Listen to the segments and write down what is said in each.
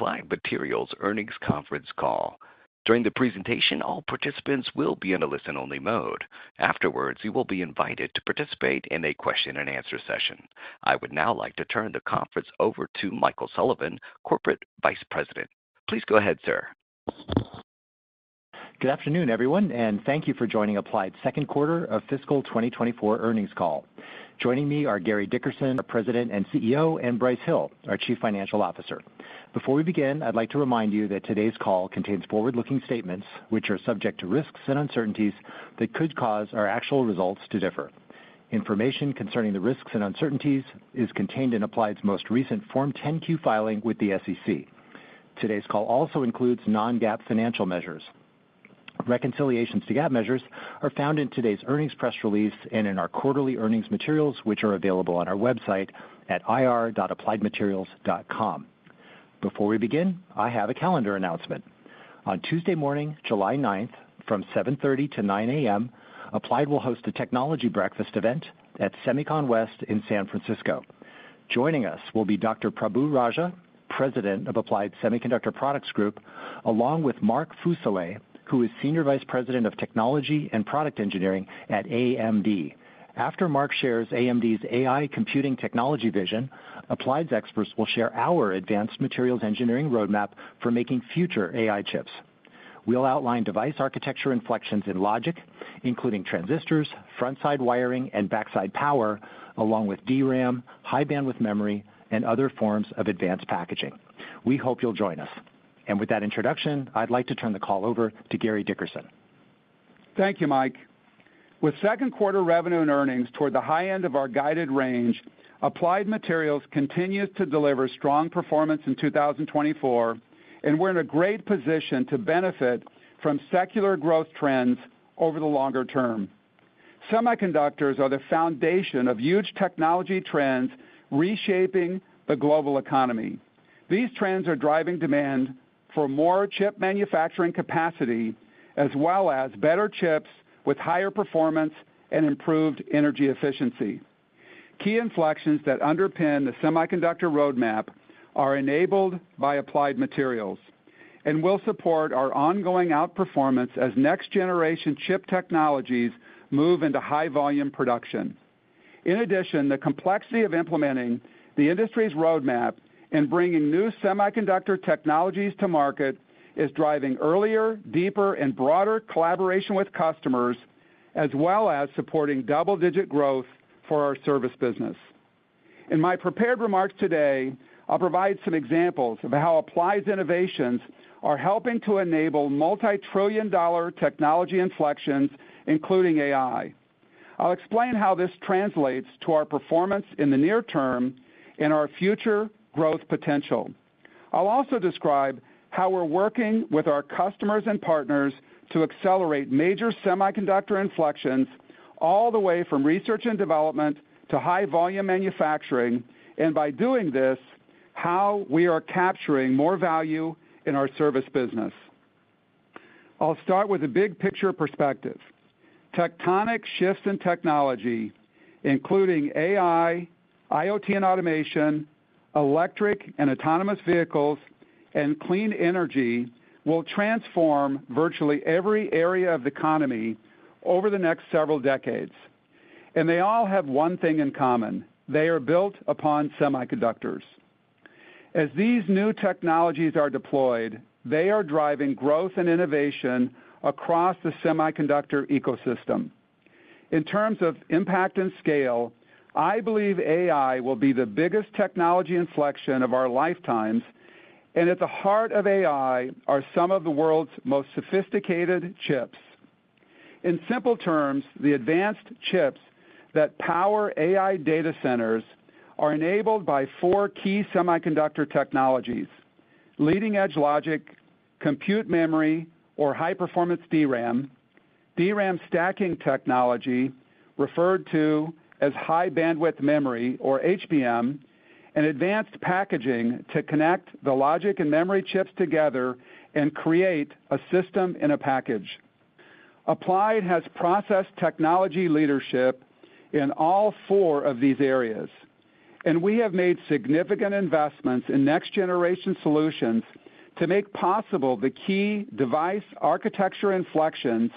To the Applied Materials earnings conference call. During the presentation, all participants will be in a listen-only mode. Afterwards, you will be invited to participate in a question-and-answer session. I would now like to turn the conference over to Michael Sullivan, Corporate Vice President. Please go ahead, sir. Good afternoon, everyone, and thank you for joining Applied's second quarter of fiscal 2024 earnings call. Joining me are Gary Dickerson, our President and CEO, and Brice Hill, our Chief Financial Officer. Before we begin, I'd like to remind you that today's call contains forward-looking statements, which are subject to risks and uncertainties that could cause our actual results to differ. Information concerning the risks and uncertainties is contained in Applied's most recent Form 10-Q filing with the SEC. Today's call also includes non-GAAP financial measures. Reconciliations to GAAP measures are found in today's earnings press release and in our quarterly earnings materials, which are available on our website at ir.appliedmaterials.com. Before we begin, I have a calendar announcement. On Tuesday morning, July 9th, from 7:30 A.M. to 9:00 A.M., Applied will host a technology breakfast event at SEMICON West in San Francisco. Joining us will be Dr. Prabu Raja, President of Applied's Semiconductor Products Group, along with Mark Fuselier, who is Senior Vice President of Technology and Product Engineering at AMD. After Mark shares AMD's AI computing technology vision, Applied's experts will share our advanced materials engineering roadmap for making future AI chips. We'll outline device architecture inflections in logic, including transistors, frontside wiring, and backside power, along with DRAM, High Bandwidth Memory, and other forms of advanced packaging. We hope you'll join us. With that introduction, I'd like to turn the call over to Gary Dickerson. Thank you, Mike. With second quarter revenue and earnings toward the high end of our guided range, Applied Materials continues to deliver strong performance in 2024, and we're in a great position to benefit from secular growth trends over the longer term. Semiconductors are the foundation of huge technology trends reshaping the global economy. These trends are driving demand for more chip manufacturing capacity, as well as better chips with higher performance and improved energy efficiency. Key inflections that underpin the semiconductor roadmap are enabled by Applied Materials and will support our ongoing outperformance as next-generation chip technologies move into high-volume production. In addition, the complexity of implementing the industry's roadmap and bringing new semiconductor technologies to market is driving earlier, deeper, and broader collaboration with customers, as well as supporting double-digit growth for our service business. In my prepared remarks today, I'll provide some examples of how Applied's innovations are helping to enable multi-trillion-dollar technology inflections, including AI. I'll explain how this translates to our performance in the near term and our future growth potential. I'll also describe how we're working with our customers and partners to accelerate major semiconductor inflections all the way from research and development to high-volume manufacturing, and by doing this, how we are capturing more value in our service business. I'll start with a big picture perspective. Tectonic shifts in technology, including AI, IoT and automation, electric and autonomous vehicles, and clean energy, will transform virtually every area of the economy over the next several decades. And they all have one thing in common: they are built upon semiconductors. As these new technologies are deployed, they are driving growth and innovation across the semiconductor ecosystem. In terms of impact and scale, I believe AI will be the biggest technology inflection of our lifetimes, and at the heart of AI are some of the world's most sophisticated chips. In simple terms, the advanced chips that power AI data centers are enabled by four key semiconductor technologies: leading-edge logic, compute memory or high-performance DRAM, DRAM stacking technology, referred to as High Bandwidth Memory or HBM, and advanced packaging to connect the logic and memory chips together and create a system in a package. Applied has process technology leadership in all four of these areas, and we have made significant investments in next-generation solutions to make possible the key device architecture inflections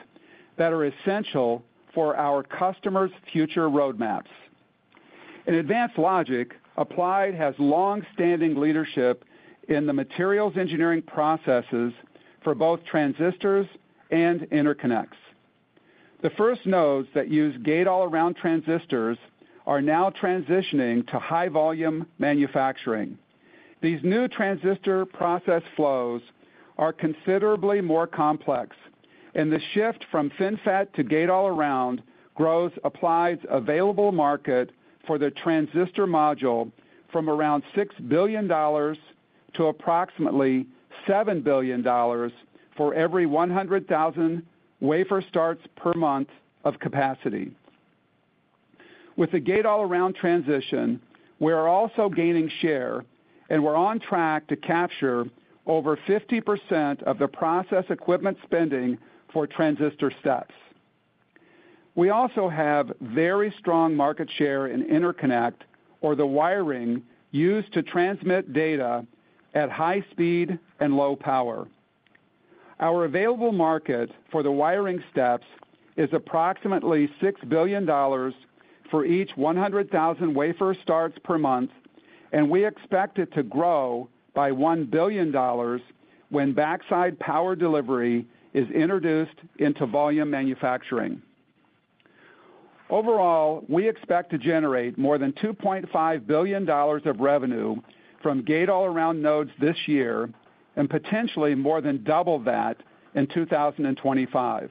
that are essential for our customers' future roadmaps. In advanced logic, Applied has long-standing leadership in the materials engineering processes for both transistors and interconnects. The first nodes that use Gate-All-Around transistors are now transitioning to high-volume manufacturing. These new transistor process flows are considerably more complex, and the shift from FinFET to Gate-All-Around grows Applied's available market for the transistor module from around $6 billion to approximately $7 billion for every 100,000 wafer starts per month of capacity. With the Gate-All-Around transition, we are also gaining share, and we're on track to capture over 50% of the process equipment spending for transistor steps. We also have very strong market share in interconnect, or the wiring used to transmit data at high speed and low power. Our available market for the wiring steps is approximately $6 billion for each 100,000 wafer starts per month, and we expect it to grow by $1 billion when backside power delivery is introduced into volume manufacturing. Overall, we expect to generate more than $2.5 billion of revenue from Gate-All-Around nodes this year and potentially more than double that in 2025.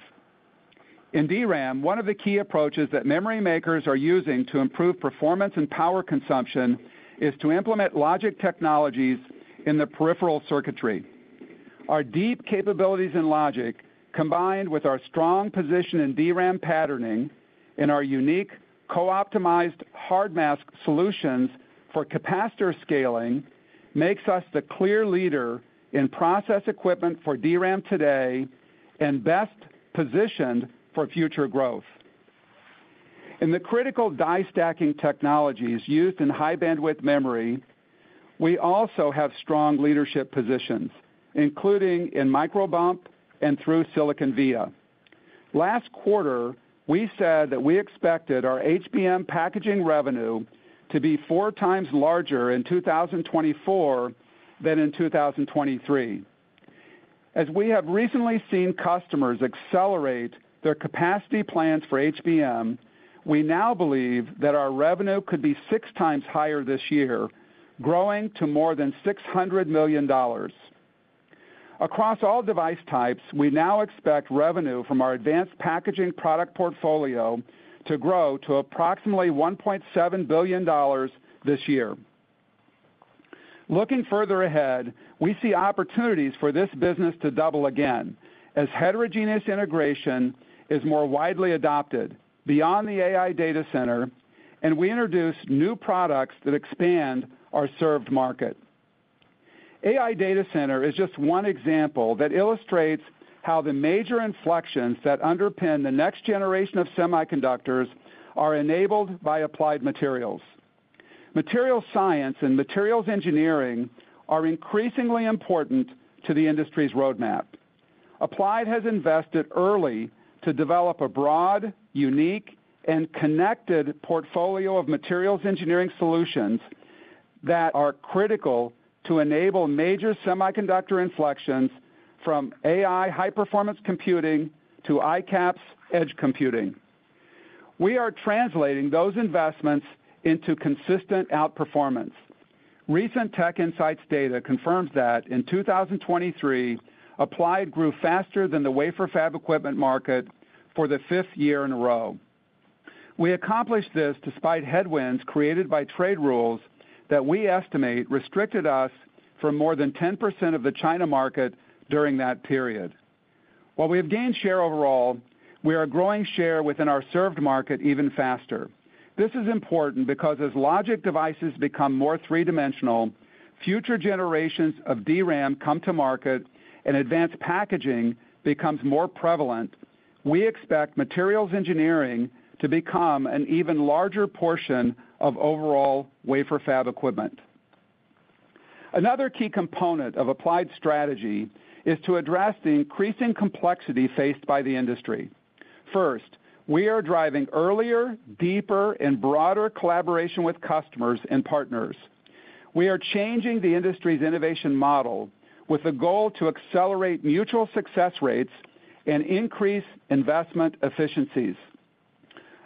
In DRAM, one of the key approaches that memory makers are using to improve performance and power consumption is to implement logic technologies in the peripheral circuitry. Our deep capabilities in logic, combined with our strong position in DRAM patterning and our unique co-optimized hard mask solutions for capacitor scaling, makes us the clear leader in process equipment for DRAM today and best positioned for future growth. In the critical die-stacking technologies used in High Bandwidth Memory, we also have strong leadership positions, including in microbump and through-silicon via. Last quarter, we said that we expected our HBM packaging revenue to be 4x larger in 2024 than in 2023. As we have recently seen customers accelerate their capacity plans for HBM, we now believe that our revenue could be 6x higher this year, growing to more than $600 million. Across all device types, we now expect revenue from our advanced packaging product portfolio to grow to approximately $1.7 billion this year. Looking further ahead, we see opportunities for this business to double again as heterogeneous integration is more widely adopted beyond the AI data center, and we introduce new products that expand our served market. AI data center is just one example that illustrates how the major inflections that underpin the next generation of semiconductors are enabled by Applied Materials. Material science and materials engineering are increasingly important to the industry's roadmap. Applied has invested early to develop a broad, unique, and connected portfolio of materials engineering solutions that are critical to enable major semiconductor inflections from AI high-performance computing to ICAPS edge computing. We are translating those investments into consistent outperformance. Recent TechInsights data confirms that in 2023, Applied grew faster than the wafer fab equipment market for the fifth year in a row. We accomplished this despite headwinds created by trade rules that we estimate restricted us from more than 10% of the China market during that period. While we have gained share overall, we are growing share within our served market even faster. This is important because as logic devices become more three-dimensional, future generations of DRAM come to market, and advanced packaging becomes more prevalent, we expect materials engineering to become an even larger portion of overall wafer fab equipment. Another key component of Applied's strategy is to address the increasing complexity faced by the industry. First, we are driving earlier, deeper, and broader collaboration with customers and partners. We are changing the industry's innovation model with the goal to accelerate mutual success rates and increase investment efficiencies.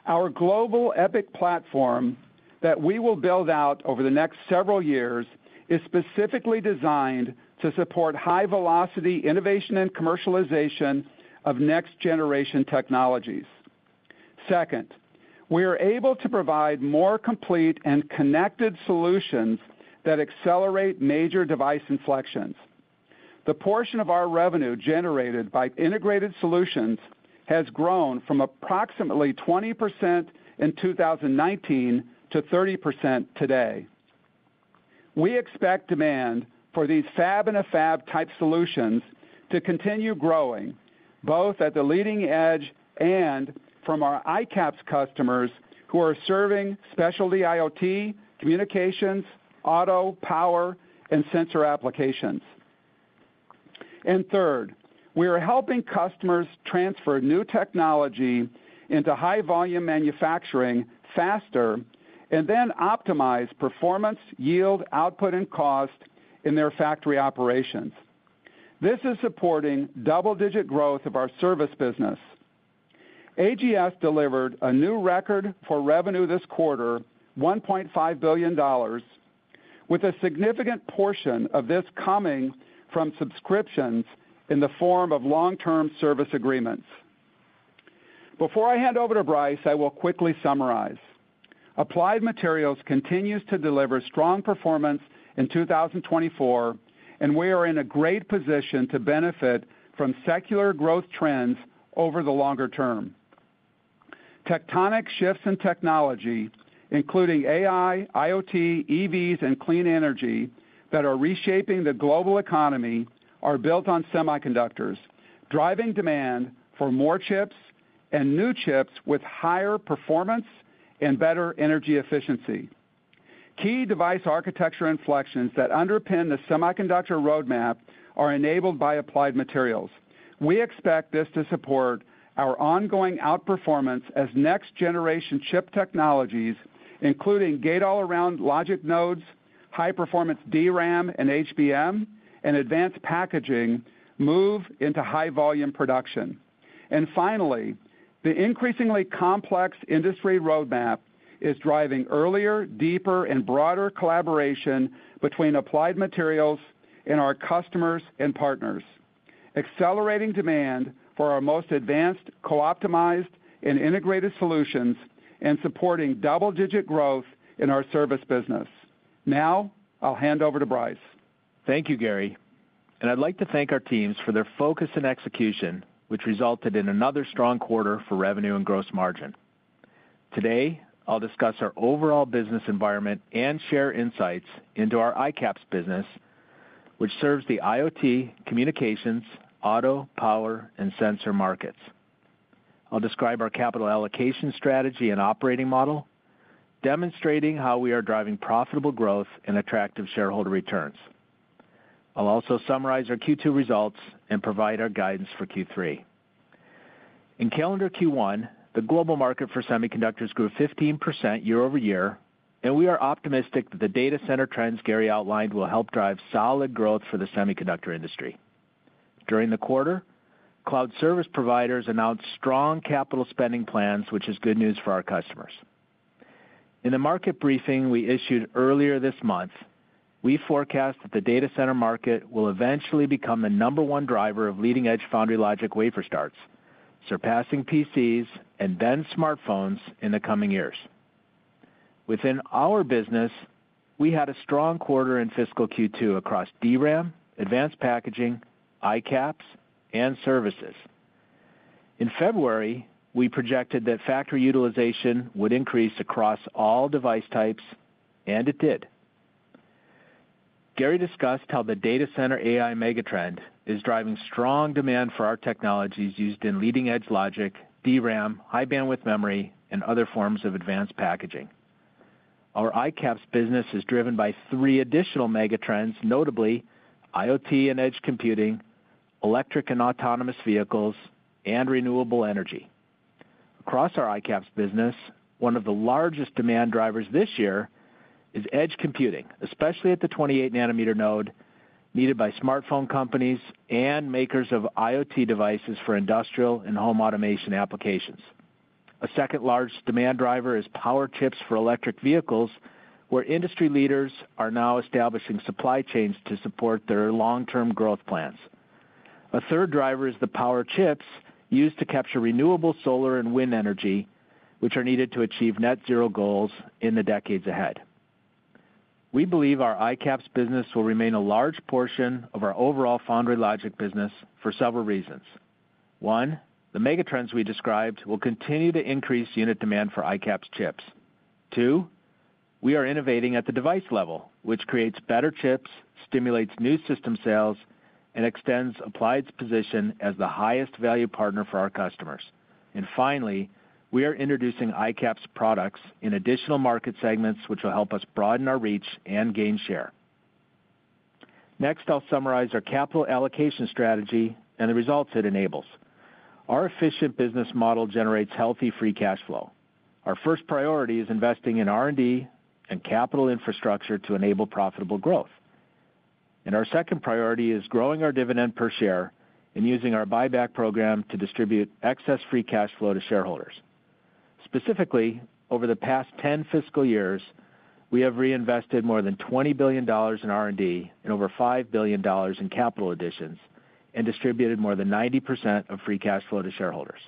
Our global EPIC platform, that we will build out over the next several years, is specifically designed to support high-velocity innovation and commercialization of next-generation technologies. Second, we are able to provide more complete and connected solutions that accelerate major device inflections. The portion of our revenue generated by integrated solutions has grown from approximately 20% in 2019 to 30% today. We expect demand for these fab-in-a-fab type solutions to continue growing, both at the leading edge and from our ICAPS customers who are serving specialty IoT, communications, auto, power, and sensor applications. And third, we are helping customers transfer new technology into high-volume manufacturing faster and then optimize performance, yield, output, and cost in their factory operations. This is supporting double-digit growth of our service business. AGS delivered a new record for revenue this quarter, $1.5 billion, with a significant portion of this coming from subscriptions in the form of long-term service agreements. Before I hand over to Brice, I will quickly summarize. Applied Materials continues to deliver strong performance in 2024, and we are in a great position to benefit from secular growth trends over the longer term. Tectonic shifts in technology, including AI, IoT, EVs, and clean energy that are reshaping the global economy, are built on semiconductors, driving demand for more chips and new chips with higher performance and better energy efficiency. Key device architecture inflections that underpin the semiconductor roadmap are enabled by Applied Materials. We expect this to support our ongoing outperformance as next-generation chip technologies, including Gate-All-Around logic nodes, high-performance DRAM and HBM, and advanced packaging, move into high-volume production. And finally, the increasingly complex industry roadmap is driving earlier, deeper, and broader collaboration between Applied Materials and our customers and partners, accelerating demand for our most advanced co-optimized and integrated solutions and supporting double-digit growth in our service business. Now, I'll hand over to Brice. Thank you, Gary, and I'd like to thank our teams for their focus and execution, which resulted in another strong quarter for revenue and gross margin. Today, I'll discuss our overall business environment and share insights into our ICAPS business, which serves the IoT, communications, auto, power, and sensor markets. I'll describe our capital allocation strategy and operating model, demonstrating how we are driving profitable growth and attractive shareholder returns. I'll also summarize our Q2 results and provide our guidance for Q3. In calendar Q1, the global market for semiconductors grew 15% year-over-year, and we are optimistic that the data center trends Gary outlined will help drive solid growth for the semiconductor industry. During the quarter, cloud service providers announced strong capital spending plans, which is good news for our customers. In the market briefing we issued earlier this month, we forecast that the data center market will eventually become the number one driver of leading-edge foundry logic wafer starts, surpassing PCs and then smartphones in the coming years. Within our business, we had a strong quarter in fiscal Q2 across DRAM, advanced packaging, ICAPS, and services. In February, we projected that factory utilization would increase across all device types, and it did. Gary discussed how the data center AI megatrend is driving strong demand for our technologies used in leading-edge logic, DRAM, High Bandwidth Memory, and other forms of advanced packaging. Our ICAPS business is driven by three additional megatrends, notably IoT and edge computing, electric and autonomous vehicles, and renewable energy. Across our ICAPS business, one of the largest demand drivers this year is edge computing, especially at the 28 nm node, needed by smartphone companies and makers of IoT devices for industrial and home automation applications. A second large demand driver is power chips for electric vehicles, where industry leaders are now establishing supply chains to support their long-term growth plans. A third driver is the power chips used to capture renewable solar and wind energy, which are needed to achieve net zero goals in the decades ahead. We believe our ICAPS business will remain a large portion of our overall foundry logic business for several reasons. One, the megatrends we described will continue to increase unit demand for ICAPS chips. Two, we are innovating at the device level, which creates better chips, stimulates new system sales, and extends Applied's position as the highest value partner for our customers. And finally, we are introducing ICAPS products in additional market segments, which will help us broaden our reach and gain share. Next, I'll summarize our capital allocation strategy and the results it enables. Our efficient business model generates healthy free cash flow. Our first priority is investing in R&D and capital infrastructure to enable profitable growth, and our second priority is growing our dividend per share and using our buyback program to distribute excess free cash flow to shareholders. Specifically, over the past 10 fiscal years, we have reinvested more than $20 billion in R&D and over $5 billion in capital additions and distributed more than 90% of free cash flow to shareholders.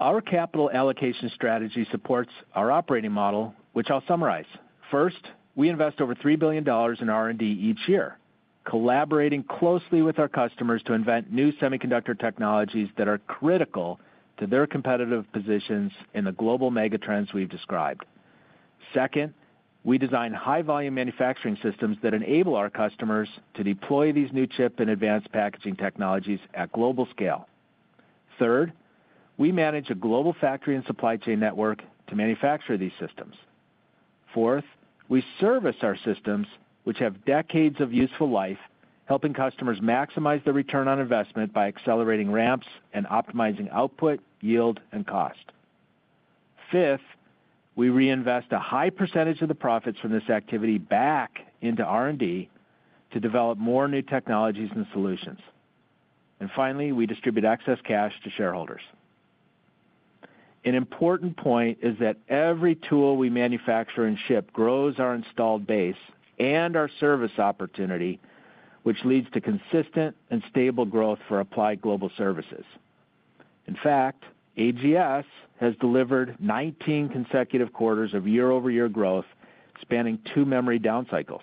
Our capital allocation strategy supports our operating model, which I'll summarize. First, we invest over $3 billion in R&D each year, collaborating closely with our customers to invent new semiconductor technologies that are critical to their competitive positions in the global megatrends we've described. Second, we design high-volume manufacturing systems that enable our customers to deploy these new chip and advanced packaging technologies at global scale. Third, we manage a global factory and supply chain network to manufacture these systems. Fourth, we service our systems, which have decades of useful life, helping customers maximize their return on investment by accelerating ramps and optimizing output, yield, and cost. Fifth, we reinvest a high percentage of the profits from this activity back into R&D to develop more new technologies and solutions. And finally, we distribute excess cash to shareholders. An important point is that every tool we manufacture and ship grows our installed base and our service opportunity, which leads to consistent and stable growth for Applied Global Services. In fact, AGS has delivered 19 consecutive quarters of year-over-year growth, spanning two memory down cycles.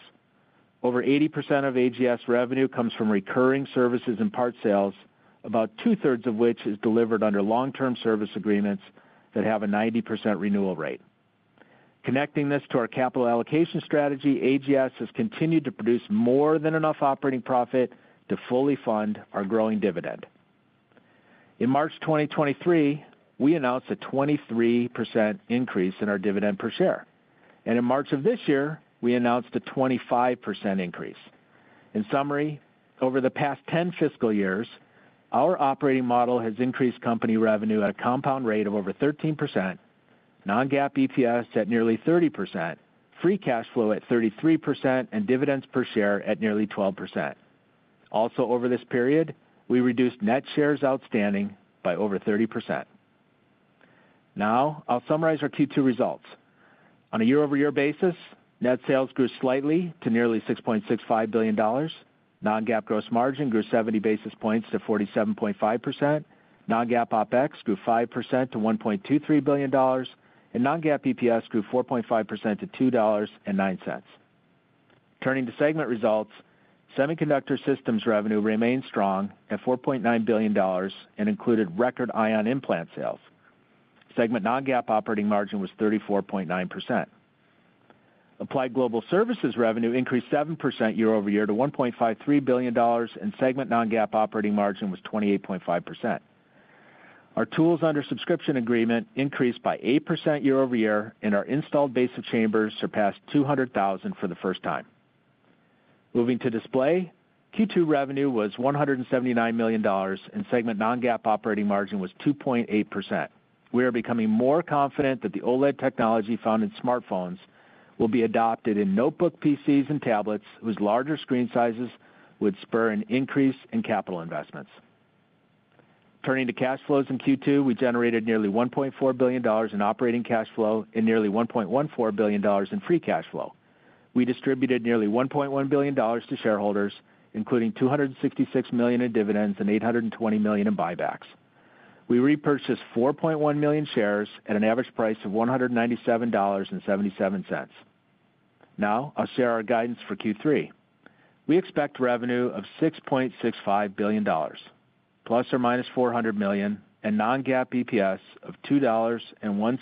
Over 80% of AGS revenue comes from recurring services and parts sales, about two-thirds of which is delivered under long-term service agreements that have a 90% renewal rate. Connecting this to our capital allocation strategy, AGS has continued to produce more than enough operating profit to fully fund our growing dividend. In March 2023, we announced a 23% increase in our dividend per share, and in March of this year, we announced a 25% increase. In summary, over the past 10 fiscal years, our operating model has increased company revenue at a compound rate of over 13%, non-GAAP EPS at nearly 30%, free cash flow at 33%, and dividends per share at nearly 12%. Also, over this period, we reduced net shares outstanding by over 30%. Now, I'll summarize our Q2 results. On a year-over-year basis, net sales grew slightly to nearly $6.65 billion. Non-GAAP gross margin grew 70 basis points to 47.5%. Non-GAAP OpEx grew 5% to $1.23 billion, and non-GAAP EPS grew 4.5% to $2.09. Turning to segment results, Semiconductor Systems revenue remained strong at $4.9 billion and included record ion implant sales. Segment non-GAAP operating margin was 34.9%. Applied Global Services revenue increased 7% year-over-year to $1.53 billion, and segment non-GAAP operating margin was 28.5%. Our tools under subscription agreement increased by 8% year-over-year, and our installed base of chambers surpassed 200,000 for the first time. Moving to Display, Q2 revenue was $179 million, and segment non-GAAP operating margin was 2.8%. We are becoming more confident that the OLED technology found in smartphones will be adopted in notebook PCs and tablets, whose larger screen sizes would spur an increase in capital investments. Turning to cash flows in Q2, we generated nearly $1.4 billion in operating cash flow and nearly $1.14 billion in free cash flow. We distributed nearly $1.1 billion to shareholders, including $266 million in dividends and $820 million in buybacks. We repurchased 4.1 million shares at an average price of $197.77. Now, I'll share our guidance for Q3. We expect revenue of $6.65 billion, ±$400 million, and non-GAAP EPS of $2.01,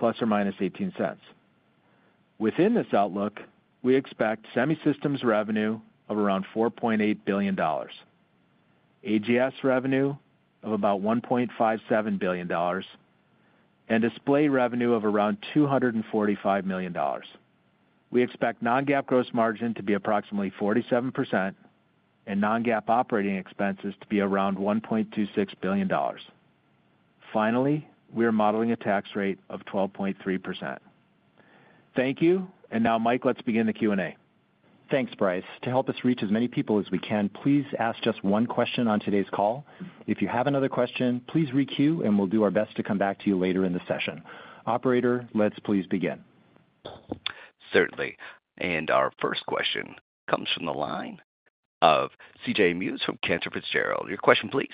±$0.18. Within this outlook, we expect Semi Systems revenue of around $4.8 billion, AGS revenue of about $1.57 billion, and Display revenue of around $245 million. We expect non-GAAP gross margin to be approximately 47% and non-GAAP operating expenses to be around $1.26 billion. Finally, we are modeling a tax rate of 12.3%. Thank you. Now, Mike, let's begin the Q&A. Thanks, Brice. To help us reach as many people as we can, please ask just one question on today's call. If you have another question, please re-queue, and we'll do our best to come back to you later in the session. Operator, let's please begin. Certainly. Our first question comes from the line of C.J. Muse from Cantor Fitzgerald. Your question, please.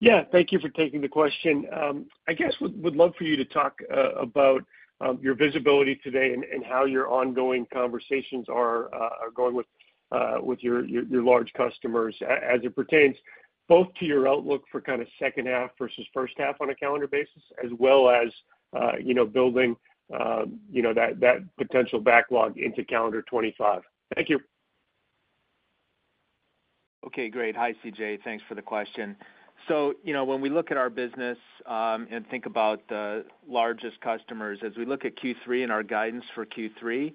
Yeah, thank you for taking the question. I guess would love for you to talk about your visibility today and how your ongoing conversations are going with your large customers, as it pertains both to your outlook for kind of second half versus first half on a calendar basis, as well as you know building you know that potential backlog into calendar 2025. Thank you. Okay, great. Hi, C.J. Thanks for the question. So, you know, when we look at our business, and think about the largest customers, as we look at Q3 and our guidance for Q3,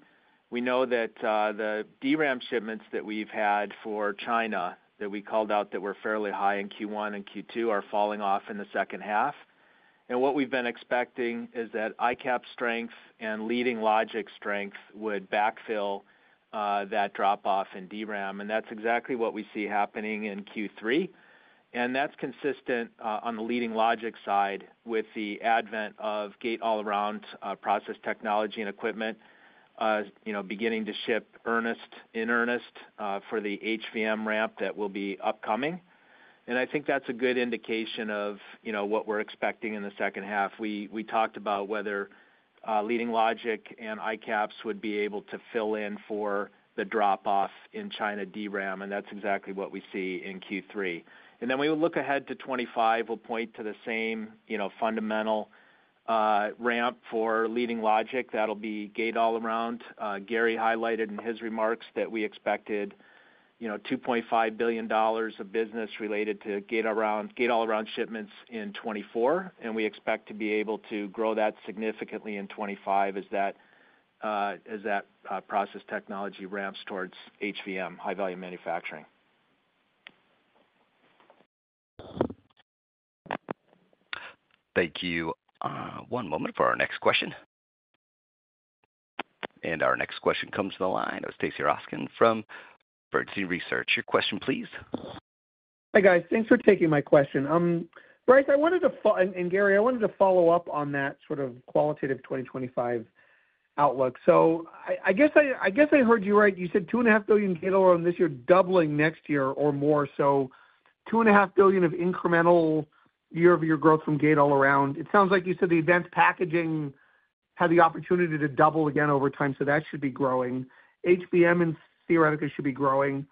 we know that, the DRAM shipments that we've had for China, that we called out that were fairly high in Q1 and Q2, are falling off in the second half. And what we've been expecting is that ICAPS strength and leading logic strength would backfill, that drop off in DRAM, and that's exactly what we see happening in Q3. And that's consistent, on the leading logic side, with the advent of Gate-All-Around, process technology and equipment, you know, beginning to ship in earnest, for the HVM ramp that will be upcoming. And I think that's a good indication of, you know, what we're expecting in the second half. We talked about whether leading logic and ICAPS would be able to fill in for the drop off in China DRAM, and that's exactly what we see in Q3. And then when we look ahead to 2025, we'll point to the same, you know, fundamental ramp for leading logic. That'll be Gate-All-Around. Gary highlighted in his remarks that we expected, you know, $2.5 billion of business related to Gate-All-Around shipments in 2024, and we expect to be able to grow that significantly in 2025 as that process technology ramps towards HVM, high volume manufacturing. Thank you. One moment for our next question. Our next question comes to the line of Stacy Rasgon from Bernstein Research. Your question, please. Hi, guys. Thanks for taking my question. Brice, I wanted to follow up on that sort of qualitative 2025 outlook. So I guess I heard you right. You said $2.5 billion Gate-All-Around this year, doubling next year or more. So $2.5 billion of incremental year-over-year growth from Gate-All-Around. It sounds like you said the advanced packaging had the opportunity to double again over time, so that should be growing. HVM in theoretical should be growing.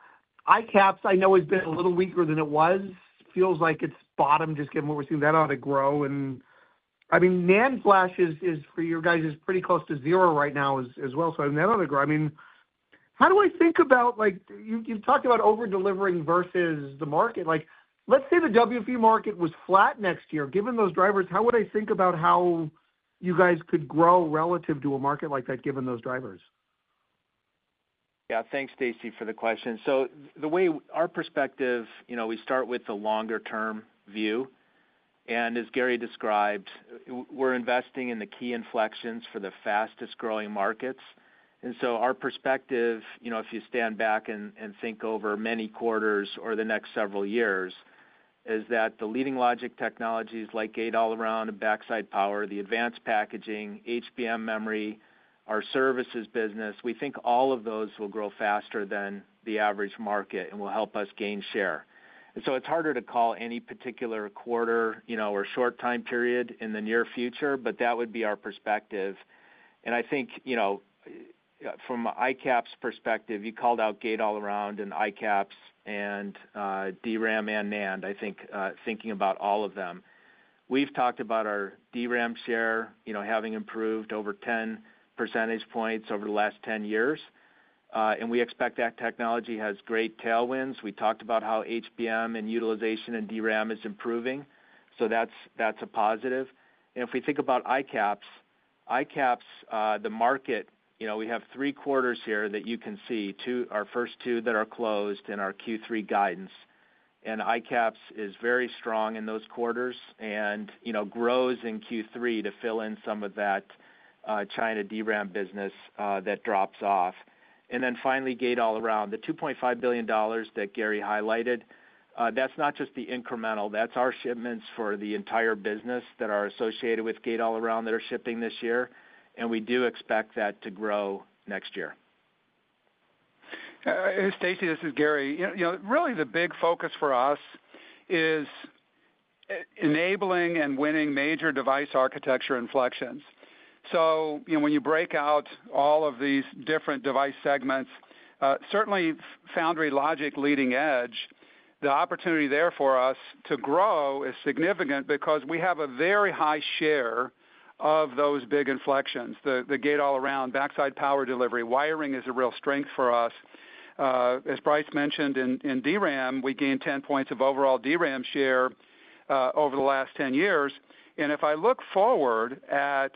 ICAPS, I know, has been a little weaker than it was. Feels like it's bottomed, just given what we're seeing. That ought to grow. And I mean, NAND flash is for you guys pretty close to zero right now as well, so that ought to grow. I mean. How do I think about, like, you, you've talked about over-delivering versus the market. Like, let's say the WFE market was flat next year. Given those drivers, how would I think about how you guys could grow relative to a market like that, given those drivers? Yeah, thanks, Stacy, for the question. So the way our perspective, you know, we start with the longer-term view, and as Gary described, we're investing in the key inflections for the fastest-growing markets. And so our perspective, you know, if you stand back and think over many quarters or the next several years, is that the leading logic technologies, like Gate-All-Around and backside power, the advanced packaging, HBM memory, our services business, we think all of those will grow faster than the average market and will help us gain share. And so it's harder to call any particular quarter, you know, or short time period in the near future, but that would be our perspective. And I think, you know, from ICAPS perspective, you called out Gate-All-Around and ICAPS and DRAM and NAND, I think thinking about all of them. We've talked about our DRAM share, you know, having improved over 10 percentage points over the last 10 years, and we expect that technology has great tailwinds. We talked about how HBM and utilization and DRAM is improving, so that's, that's a positive. If we think about ICAPS, ICAPS, the market, you know, we have three quarters here that you can see. Two, our first two that are closed in our Q3 guidance, and ICAPS is very strong in those quarters and, you know, grows in Q3 to fill in some of that, China DRAM business, that drops off. Then finally, Gate-All-Around, the $2.5 billion that Gary highlighted, that's not just the incremental, that's our shipments for the entire business that are associated with Gate-All-Around that are shipping this year, and we do expect that to grow next year. Stacy, this is Gary. You know, really the big focus for us is enabling and winning major device architecture inflections. So, you know, when you break out all of these different device segments, certainly foundry logic leading edge, the opportunity there for us to grow is significant because we have a very high share of those big inflections, the Gate-All-Around, backside power delivery. Wiring is a real strength for us. As Brice mentioned in DRAM, we gained 10 points of overall DRAM share over the last 10 years. And if I look forward at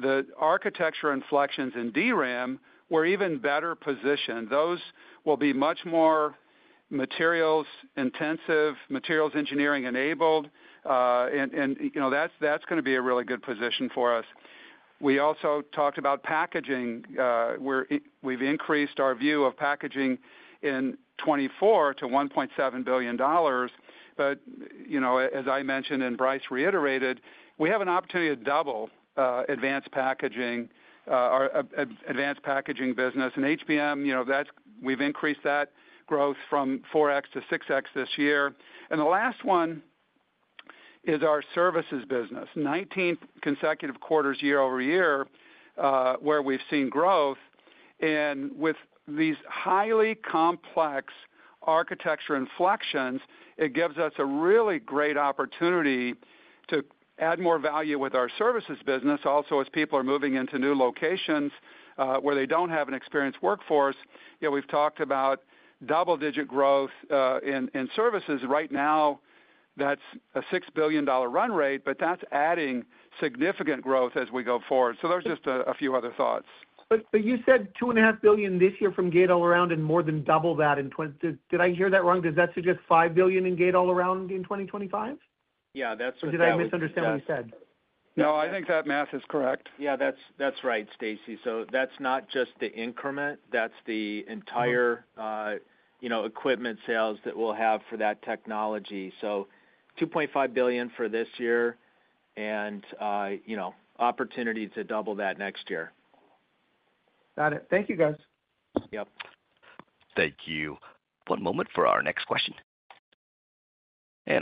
the architecture inflections in DRAM, we're even better positioned. Those will be much more materials intensive, materials engineering enabled, and you know, that's gonna be a really good position for us. We also talked about packaging. We've increased our view of packaging in 2024 to $1.7 billion, but, you know, as I mentioned, and Brice reiterated, we have an opportunity to double advanced packaging, our advanced packaging business. And HBM, you know, that's we've increased that growth from 4x to 6x this year. And the last one is our services business. 19 consecutive quarters, year-over-year, where we've seen growth, and with these highly complex architecture inflections, it gives us a really great opportunity to add more value with our services business. Also, as people are moving into new locations, where they don't have an experienced workforce, you know, we've talked about double-digit growth in services. Right now, that's a $6 billion run rate, but that's adding significant growth as we go forward. So those are just a few other thoughts. But you said $2.5 billion this year from Gate-All-Around and more than double that in, did I hear that wrong? Does that suggest $5 billion in Gate-All-Around in 2025? Yeah, that's. Or did I misunderstand what you said? No, I think that math is correct. Yeah, that's, that's right, Stacy. So that's not just the increment, that's the entire, you know, equipment sales that we'll have for that technology. So $2.5 billion for this year, and, you know, opportunity to double that next year. Got it. Thank you, guys. Yep. Thank you. One moment for our next question.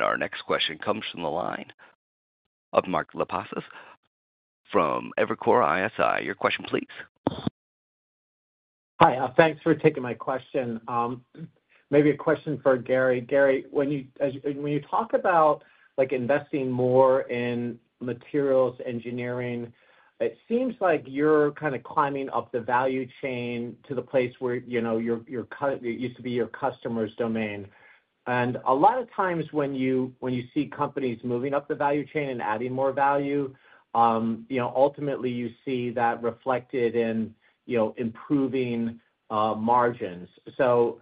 Our next question comes from the line of Mark Lipacis from Evercore ISI. Your question, please. Hi, thanks for taking my question. Maybe a question for Gary. Gary, when you talk about, like, investing more in materials engineering, it seems like you're kind of climbing up the value chain to the place where, you know, it used to be your customer's domain. And a lot of times when you, when you see companies moving up the value chain and adding more value, you know, ultimately, you see that reflected in, you know, improving margins. So,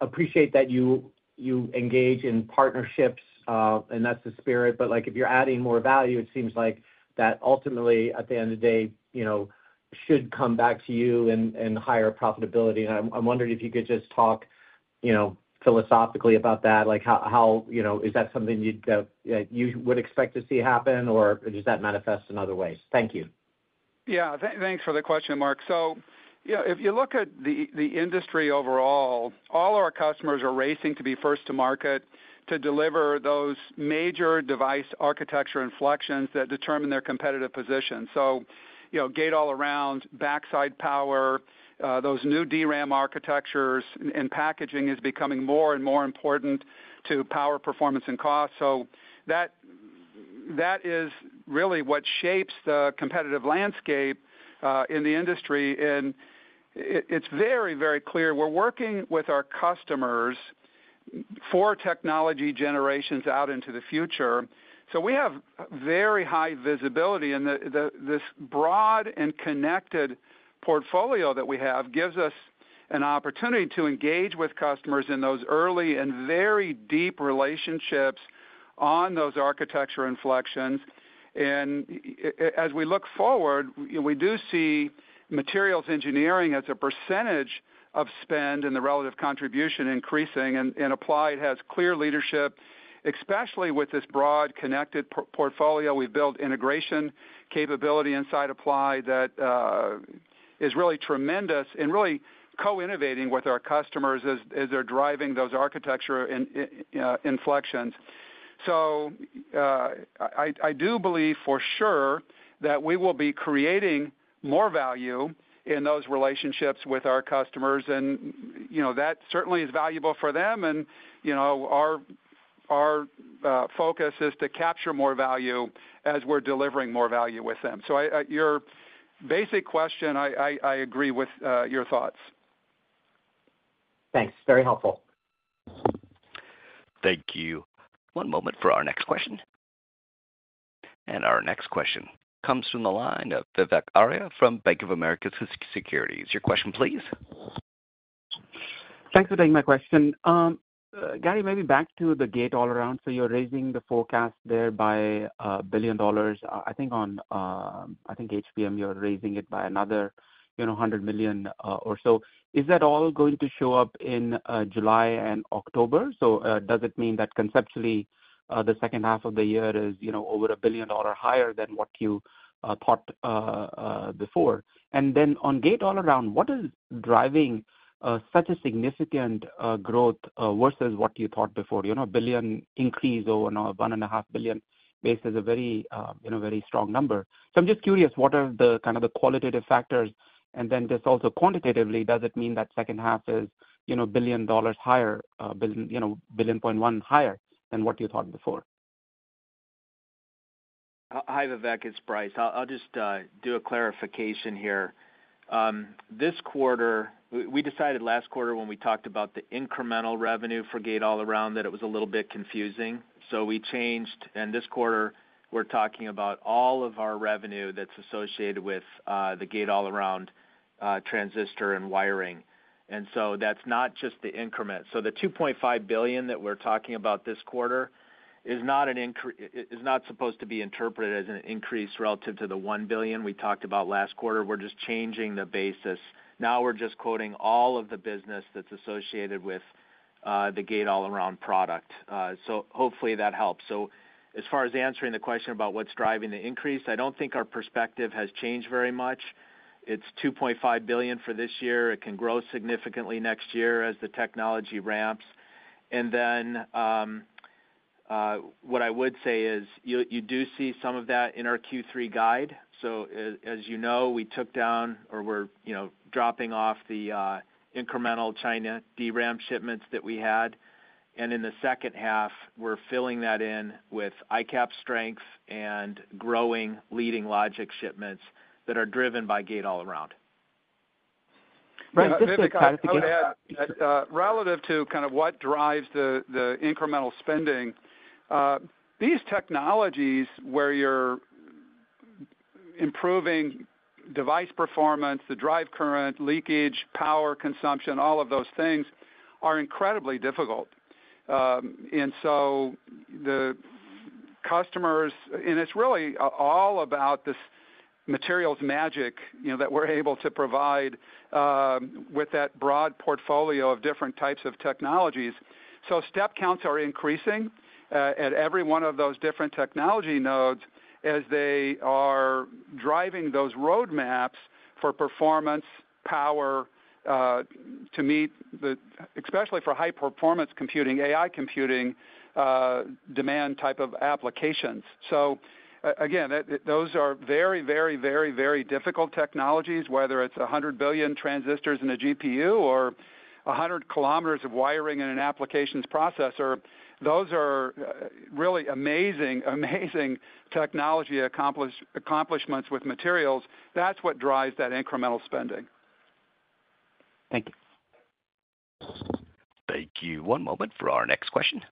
appreciate that you engage in partnerships, and that's the spirit, but, like, if you're adding more value, it seems like that ultimately, at the end of the day, you know, should come back to you in higher profitability. I'm wondering if you could just talk, you know, philosophically about that. Like, how, how? You know, is that something you'd, you would expect to see happen, or does that manifest in other ways? Thank you. Yeah, thanks for the question, Mark. So, you know, if you look at the industry overall, all our customers are racing to be first to market to deliver those major device architecture inflections that determine their competitive position. So, you know, Gate-All-Around, backside power, those new DRAM architectures and packaging is becoming more and more important to power, performance, and cost. So that is really what shapes the competitive landscape in the industry, and it's very, very clear. We're working with our customers for technology generations out into the future, so we have very high visibility, and this broad and connected portfolio that we have gives us an opportunity to engage with customers in those early and very deep relationships on those architecture inflections. As we look forward, we do see materials engineering as a percentage of spend and the relative contribution increasing, and Applied has clear leadership, especially with this broad, connected portfolio. We've built integration capability inside Applied that is really tremendous and really co-innovating with our customers as they're driving those architecture inflections. So, I agree with your thoughts. Thanks, very helpful. Thank you. One moment for our next question. Our next question comes from the line of Vivek Arya from Bank of America Securities. Your question, please. Thanks for taking my question. Gary, maybe back to the Gate-All-Around. So you're raising the forecast there by $1 billion, I think on, I think HBM, you're raising it by another, you know, $100 million, or so. Is that all going to show up in July and October? So does it mean that conceptually, the second half of the year is, you know, over $1 billion higher than what you thought before? And then on Gate-All-Around, what is driving such a significant growth versus what you thought before? You know, a $1 billion increase over now of $1.5 billion base is a very, you know, very strong number. So I'm just curious, what are the kind of the qualitative factors? And then just also quantitatively, does it mean that second half is you know, $1 billion higher, you know, $1.1 billion higher than what you thought before? Hi, Vivek, it's Brice. I'll just do a clarification here. This quarter, we decided last quarter when we talked about the incremental revenue for Gate-All-Around, that it was a little bit confusing, so we changed. And this quarter, we're talking about all of our revenue that's associated with the Gate-All-Around transistor and wiring, and so that's not just the increment. So the $2.5 billion that we're talking about this quarter is not supposed to be interpreted as an increase relative to the $1 billion we talked about last quarter. We're just changing the basis. Now, we're just quoting all of the business that's associated with the Gate-All-Around product. So hopefully that helps. So as far as answering the question about what's driving the increase, I don't think our perspective has changed very much. It's $2.5 billion for this year. It can grow significantly next year as the technology ramps. And then, what I would say is you, you do see some of that in our Q3 guide. So as, as you know, we took down or we're, you know, dropping off the incremental China DRAM shipments that we had, and in the second half, we're filling that in with ICAP strength and growing leading logic shipments that are driven by Gate-All-Around. Brice, just. Relative to kind of what drives the incremental spending, these technologies, where you're improving device performance, the drive current, leakage, power, consumption, all of those things, are incredibly difficult. And so the customers, and it's really all about this materials magic, you know, that we're able to provide, with that broad portfolio of different types of technologies. So step counts are increasing at every one of those different technology nodes as they are driving those roadmaps for performance, power, to meet the, especially for high-performance computing, AI computing, demand type of applications. So again, that, those are very, very, very, very difficult technologies, whether it's 100 billion transistors in a GPU or 100 km of wiring in an applications processor. Those are really amazing, amazing technology accomplishments with materials. That's what drives that incremental spending. Thank you. Thank you. One moment for our next question.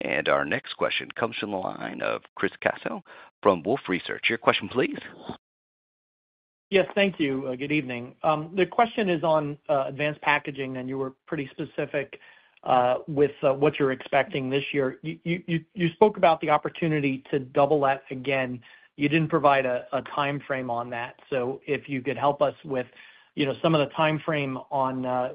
And our next question comes from the line of Chris Caso from Wolfe Research. Your question, please. Yes, thank you, good evening. The question is on advanced packaging, and you were pretty specific with what you're expecting this year. You spoke about the opportunity to double that again. You didn't provide a timeframe on that. So if you could help us with, you know, some of the timeframe on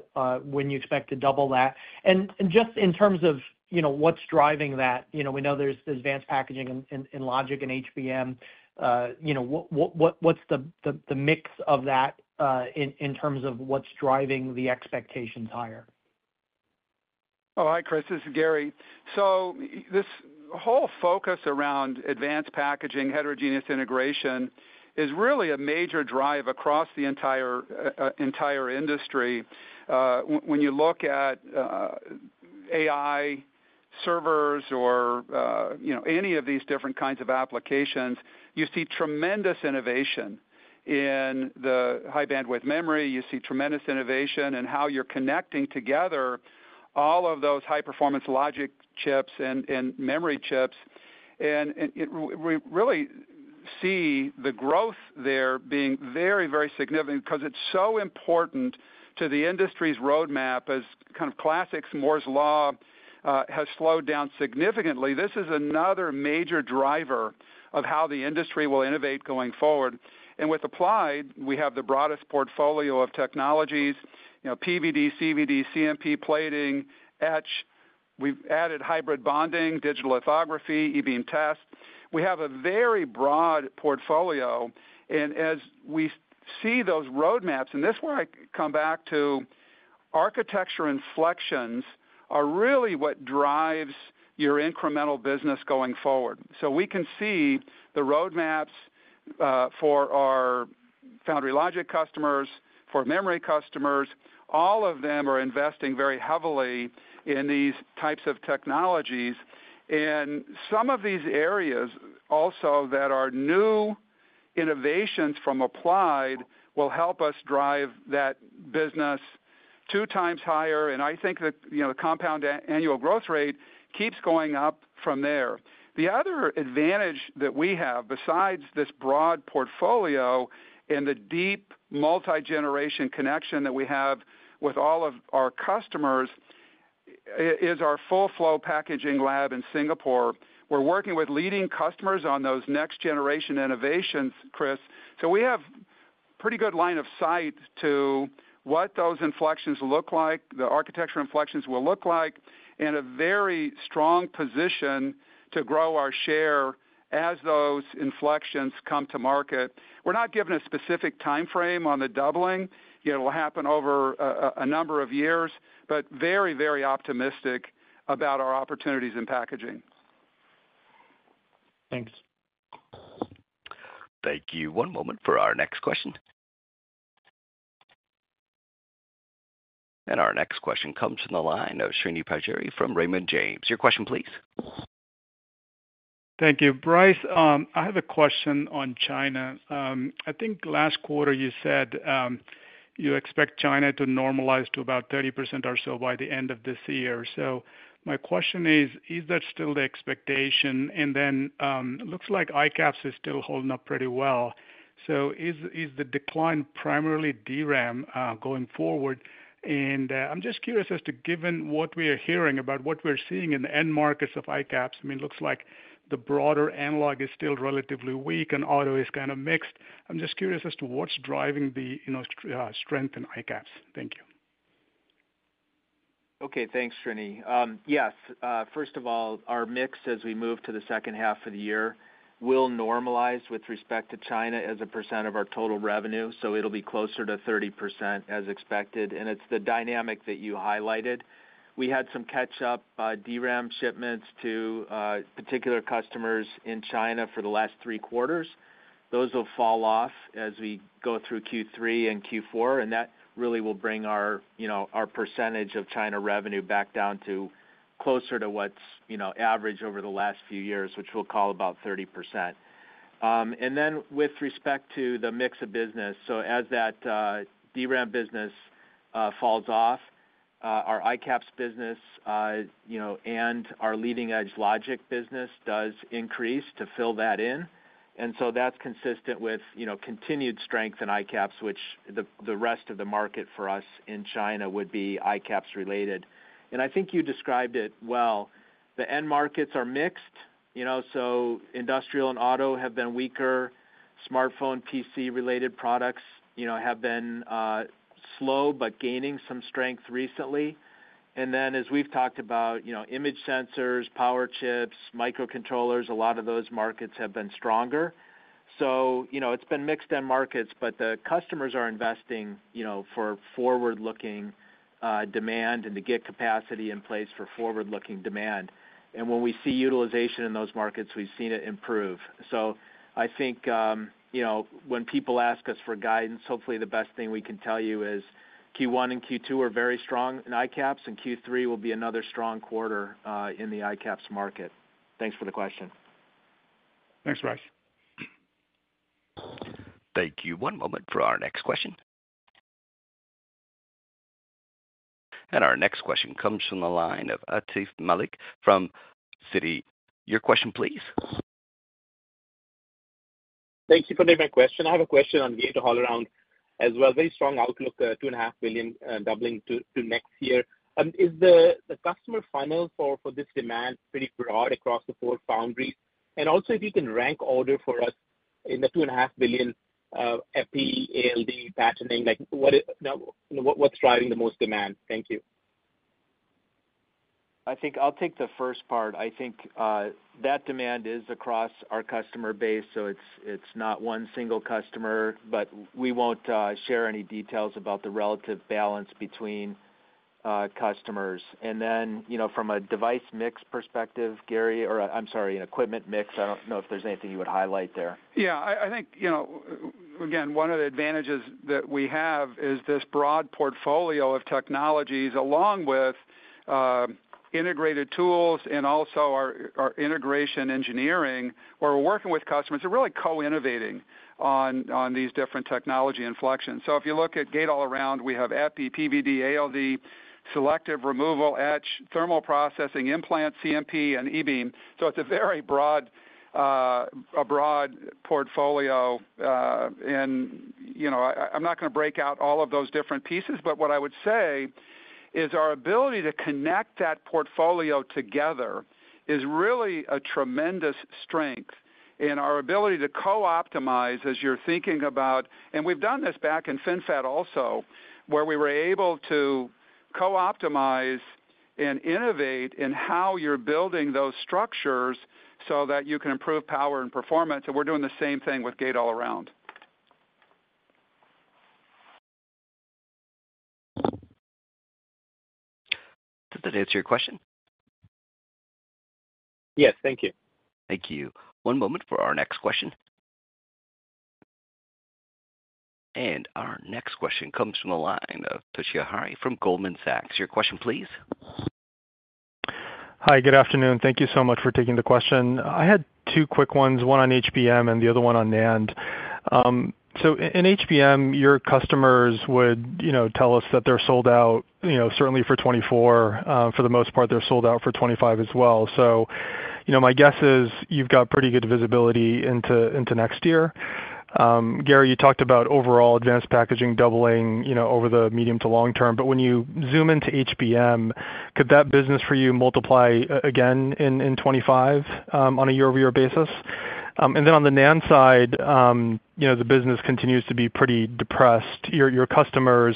when you expect to double that. And just in terms of, you know, what's driving that, you know, we know there's advanced packaging in logic and HBM. You know, what's the mix of that in terms of what's driving the expectations higher? Oh, hi, Chris, this is Gary. So this. The whole focus around advanced packaging, heterogeneous integration, is really a major drive across the entire industry. When you look at AI servers or you know, any of these different kinds of applications, you see tremendous innovation in the High Bandwidth Memory, you see tremendous innovation in how you're connecting together all of those high-performance logic chips and memory chips. And we really see the growth there being very, very significant, because it's so important to the industry's roadmap as kind of classic Moore's Law has slowed down significantly. This is another major driver of how the industry will innovate going forward. And with Applied, we have the broadest portfolio of technologies, you know, PVD, CVD, CMP, plating, etch. We've added hybrid bonding, digital lithography, eBeam test. We have a very broad portfolio, and as we see those roadmaps, and this is where I come back to architecture inflections are really what drives your incremental business going forward. So we can see the roadmaps for our foundry logic customers, for memory customers. All of them are investing very heavily in these types of technologies. And some of these areas also that are new innovations from Applied will help us drive that business 2x higher, and I think that, you know, the compound annual growth rate keeps going up from there. The other advantage that we have, besides this broad portfolio and the deep multi-generation connection that we have with all of our customers, is our full flow packaging lab in Singapore. We're working with leading customers on those next generation innovations, Chris. So we have pretty good line of sight to what those inflections look like, the architecture inflections will look like, and a very strong position to grow our share as those inflections come to market. We're not giving a specific timeframe on the doubling. It'll happen over a number of years, but very, very optimistic about our opportunities in packaging. Thanks. Thank you. One moment for our next question. Our next question comes from the line of Srini Pajjuri from Raymond James. Your question, please. Thank you. Brice, I have a question on China. I think last quarter you said you expect China to normalize to about 30% or so by the end of this year. So my question is, is that still the expectation? And then, it looks like ICAPS is still holding up pretty well. So is the decline primarily DRAM going forward? And, I'm just curious as to, given what we are hearing about what we're seeing in the end markets of ICAPS, I mean, it looks like the broader analog is still relatively weak and auto is kind of mixed. I'm just curious as to what's driving the, you know, strength in ICAPS. Thank you. Okay, thanks, Srini. Yes, first of all, our mix as we move to the second half of the year will normalize with respect to China as a percent of our total revenue, so it'll be closer to 30% as expected, and it's the dynamic that you highlighted. We had some catch up, DRAM shipments to particular customers in China for the last three quarters. Those will fall off as we go through Q3 and Q4, and that really will bring our, you know, our percentage of China revenue back down to closer to what's, you know, average over the last few years, which we'll call about 30%. And then with respect to the mix of business, so as that DRAM business falls off, our ICAPS business, you know, and our leading edge logic business does increase to fill that in. And so that's consistent with, you know, continued strength in ICAPS, which the, the rest of the market for us in China would be ICAPS related. And I think you described it well. The end markets are mixed, you know, so industrial and auto have been weaker. Smartphone, PC-related products, you know, have been slow, but gaining some strength recently. And then, as we've talked about, you know, image sensors, power chips, microcontrollers, a lot of those markets have been stronger. So, you know, it's been mixed end markets, but the customers are investing, you know, for forward-looking demand and to get capacity in place for forward-looking demand. When we see utilization in those markets, we've seen it improve. So I think, you know, when people ask us for guidance, hopefully the best thing we can tell you is Q1 and Q2 are very strong in ICAPS, and Q3 will be another strong quarter, in the ICAPS market. Thanks for the question. Thanks, Brice. Thank you. One moment for our next question. Our next question comes from the line of Atif Malik from Citi. Your question, please. Thank you for taking my question. I have a question on Gate-All-Around as well. Very strong outlook, $2.5 billion, doubling to next year. Is the customer funnel for this demand pretty broad across the four foundries? And also, if you can rank order for us in the $2.5 billion, epi, ALD, patterning, like, what is, you know, what, what's driving the most demand? Thank you. I think I'll take the first part. I think that demand is across our customer base, so it's, it's not one single customer, but we won't share any details about the relative balance between customers. And then, you know, from a device mix perspective, Gary, or I'm sorry, an equipment mix, I don't know if there's anything you would highlight there. Yeah, I, I think, you know, again, one of the advantages that we have is this broad portfolio of technologies, along with integrated tools and also our integration engineering, where we're working with customers and really co-innovating on these different technology inflections. So if you look at Gate-All-Around, we have epi, PVD, ALD, selective removal, etch, thermal processing, implant, CMP, and eBeam. So it's a very broad portfolio. And, you know, I, I'm not going to break out all of those different pieces, but what I would say is our ability to connect that portfolio together is really a tremendous strength in our ability to co-optimize as you're thinking about. And we've done this back in FinFET also, where we were able to co-optimize and innovate in how you're building those structures so that you can improve power and performance, and we're doing the same thing with Gate-All-Around. Did that answer your question? Yes. Thank you. Thank you. One moment for our next question. And our next question comes from the line of Toshiya Hari from Goldman Sachs. Your question, please. Hi, good afternoon. Thank you so much for taking the question. I had two quick ones, one on HBM and the other one on NAND. So in HBM, your customers would, you know, tell us that they're sold out, you know, certainly for 2024. For the most part, they're sold out for 2025 as well. So, you know, my guess is you've got pretty good visibility into next year. Gary, you talked about overall advanced packaging doubling, you know, over the medium to long term, but when you zoom into HBM, could that business for you multiply again in 2025 on a year-over-year basis? And then on the NAND side, you know, the business continues to be pretty depressed. Your customers,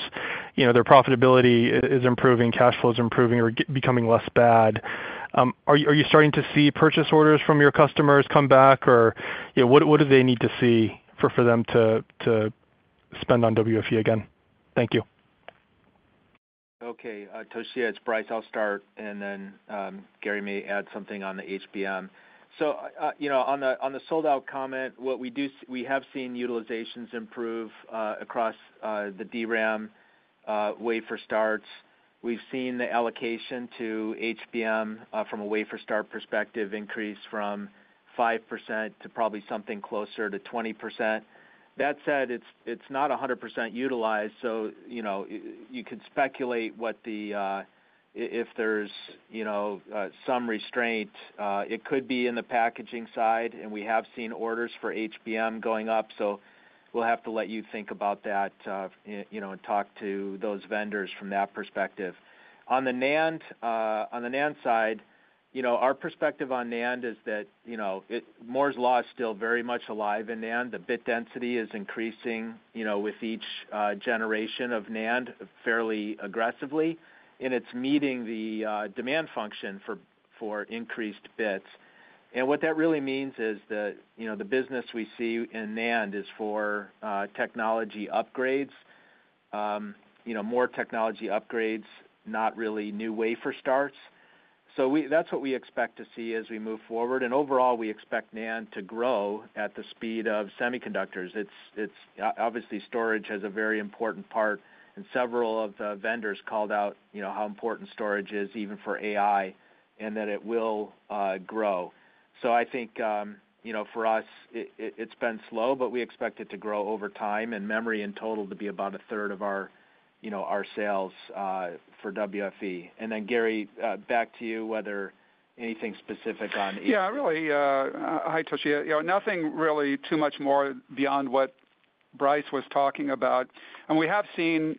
you know, their profitability is improving, cash flow is improving or becoming less bad. Are you starting to see purchase orders from your customers come back? Or, you know, what do they need to see for them to spend on WFE again? Thank you. Okay, Toshiya, it's Brice. I'll start, and then, Gary may add something on the HBM. So, you know, on the sold-out comment, what we do, we have seen utilizations improve, across the DRAM wafer starts. We've seen the allocation to HBM, from a wafer start perspective, increase from 5% to probably something closer to 20%. That said, it's not 100% utilized, so, you know, you could speculate what the, if there's, you know, some restraint, it could be in the packaging side, and we have seen orders for HBM going up, so we'll have to let you think about that, you know, and talk to those vendors from that perspective. On the NAND side, you know, our perspective on NAND is that, you know, it, Moore's Law is still very much alive in NAND. The bit density is increasing, you know, with each generation of NAND fairly aggressively, and it's meeting the demand function for increased bits. And what that really means is that, you know, the business we see in NAND is for technology upgrades. More technology upgrades, not really new wafer starts. That's what we expect to see as we move forward, and overall, we expect NAND to grow at the speed of semiconductors. It's obviously, storage has a very important part, and several of the vendors called out, you know, how important storage is even for AI, and that it will grow. So I think, you know, for us, it's been slow, but we expect it to grow over time, and memory in total to be about a third of our, you know, our sales, for WFE. And then, Gary, back to you, whether anything specific on HBM. Yeah, really. Hi, Toshiya. You know, nothing really too much more beyond what Brice was talking about. We have seen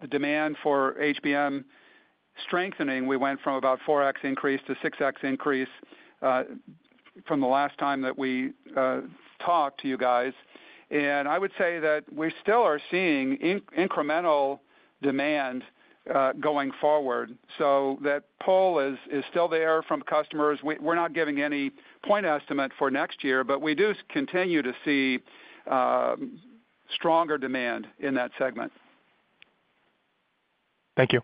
the demand for HBM strengthening. We went from about 4x increase to 6x increase from the last time that we talked to you guys. I would say that we still are seeing incremental demand going forward. So that pull is still there from customers. We're not giving any point estimate for next year, but we do continue to see stronger demand in that segment. Thank you.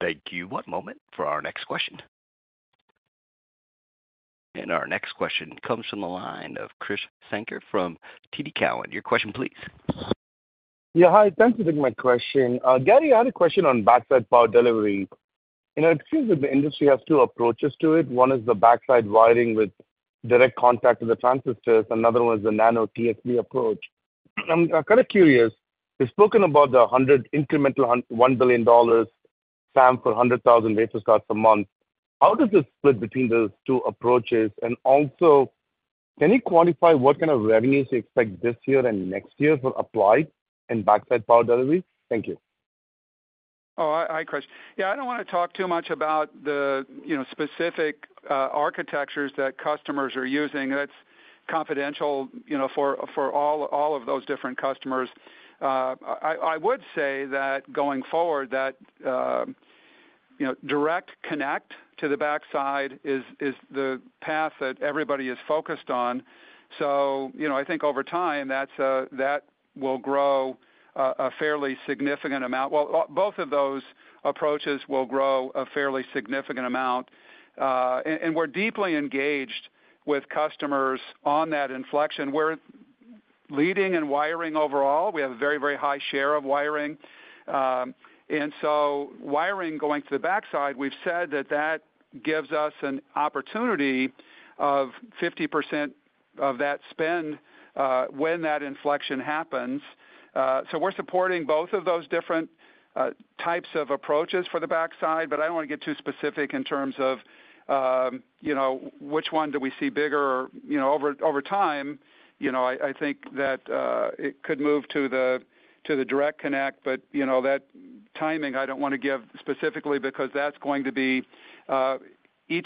Thank you. One moment for our next question. Our next question comes from the line of Krish Sankar from TD Cowen. Your question please. Yeah, hi. Thanks for taking my question. Gary, I had a question on backside power delivery. You know, it seems that the industry has two approaches to it. One is the backside wiring with direct contact to the transistors. Another one is the nano-TSV approach. I'm kind of curious, you've spoken about the 100, incremental $1 billion SAM for 100,000 wafer starts per month. How does this split between those two approaches? And also, can you quantify what kind of revenues you expect this year and next year for Applied in backside power delivery? Thank you. Oh, hi, Krish. Yeah, I don't want to talk too much about the, you know, specific architectures that customers are using. That's confidential, you know, for all of those different customers. I would say that going forward, you know, direct connect to the backside is the path that everybody is focused on. So, you know, I think over time, that will grow a fairly significant amount. Well, both of those approaches will grow a fairly significant amount, and we're deeply engaged with customers on that inflection. We're leading in wiring overall. We have a very, very high share of wiring. And so wiring going to the backside, we've said that that gives us an opportunity of 50% of that spend, when that inflection happens. So we're supporting both of those different types of approaches for the backside, but I don't want to get too specific in terms of, you know, which one do we see bigger. You know, over time, you know, I think that it could move to the direct connect, but, you know, that timing I don't want to give specifically, because that's going to be each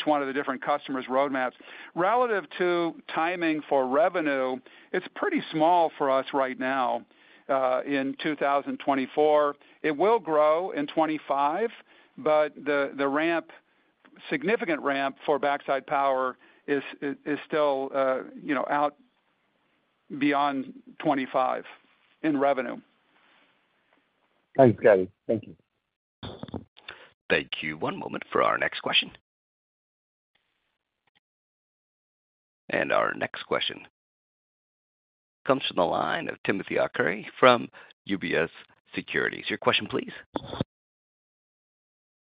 one of the different customers' roadmaps. Relative to timing for revenue, it's pretty small for us right now in 2024. It will grow in 2025, but the ramp, significant ramp for backside power is still, you know, out beyond 2025 in revenue. Thanks, Gary. Thank you. Thank you. One moment for our next question. Our next question comes from the line of Timothy Arcuri from UBS Securities. Your question, please.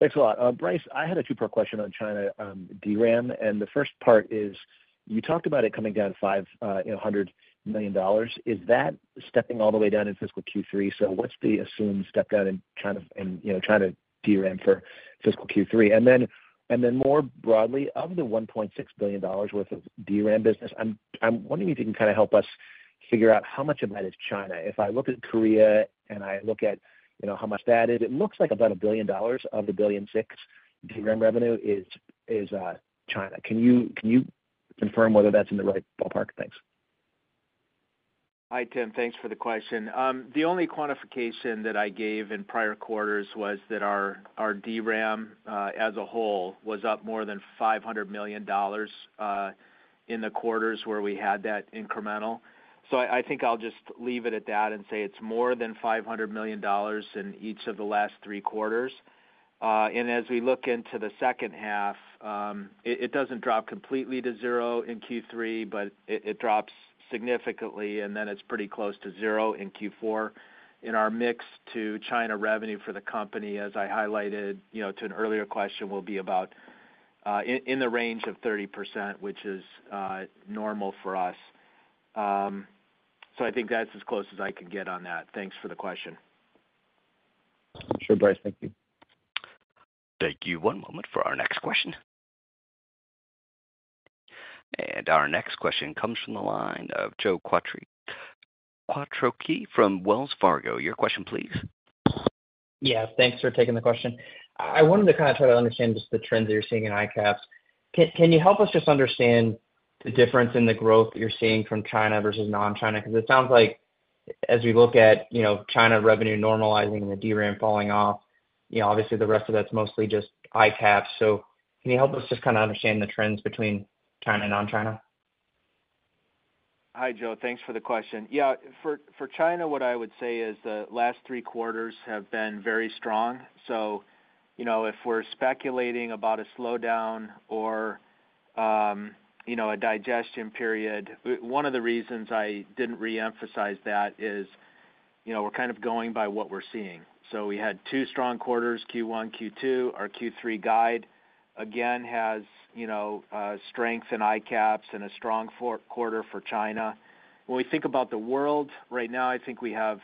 Thanks a lot. Brice, I had a two-part question on China, DRAM, and the first part is: you talked about it coming down five, you know, hundred million dollars. Is that stepping all the way down in fiscal Q3? So what's the assumed step down in China and, you know, China DRAM for fiscal Q3? And then, and then more broadly, of the $1.6 billion worth of DRAM business, I'm, I'm wondering if you can kind of help us figure out how much of that is China. If I look at Korea and I look at, you know, how much that is, it looks like about $1 billion of the $1.6 billion DRAM revenue is, is, China. Can you, can you confirm whether that's in the right ballpark? Thanks. Hi, Tim. Thanks for the question. The only quantification that I gave in prior quarters was that our DRAM, as a whole, was up more than $500 million in the quarters where we had that incremental. So I think I'll just leave it at that and say it's more than $500 million in each of the last three quarters. And as we look into the second half, it doesn't drop completely to zero in Q3, but it drops significantly, and then it's pretty close to zero in Q4. In our mix to China revenue for the company, as I highlighted, you know, to an earlier question, will be about in the range of 30%, which is normal for us. So I think that's as close as I can get on that. Thanks for the question. Sure, Brice. Thank you. Thank you. One moment for our next question. Our next question comes from the line of Joe Quatrochi from Wells Fargo. Your question, please. Yeah, thanks for taking the question. I wanted to kind of try to understand just the trends that you're seeing in ICAPS. Can you help us just understand the difference in the growth you're seeing from China versus non-China? Because it sounds like as we look at, you know, China revenue normalizing and the DRAM falling off, you know, obviously the rest of that's mostly just ICAPS. So can you help us just kind of understand the trends between China and non-China? Hi, Joe. Thanks for the question. Yeah, for China, what I would say is the last three quarters have been very strong. So you know, if we're speculating about a slowdown or, you know, a digestion period, one of the reasons I didn't reemphasize that is, you know, we're kind of going by what we're seeing. So we had two strong quarters, Q1, Q2. Our Q3 guide, again, has, you know, strength in ICAPS and a strong fourth quarter for China. When we think about the world, right now, I think we have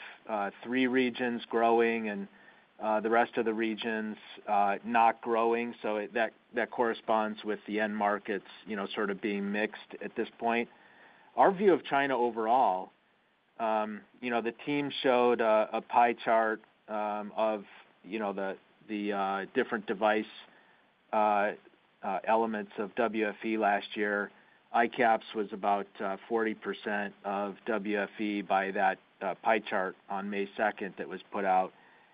three regions growing and the rest of the regions not growing. So that, that corresponds with the end markets, you know, sort of being mixed at this point. Our view of China overall, you know, the team showed a pie chart of the different device elements of WFE last year. ICAPS was about 40% of WFE by that pie chart on May second that was put out.